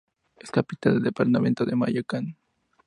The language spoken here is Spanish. Es capital del departamento de Mayo-Kani.